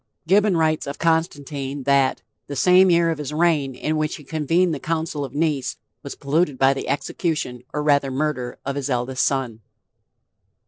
Gibbon writes of Constantine that "the same year of his reign in which he convened the council of Nice was polluted by the execution, or rather murder, of his eldest son."